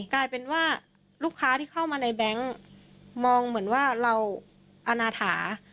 กลายเป็นว่าลูกค้าที่เข้ามาในแบงค์มองเหมือนว่าเราอาณาถา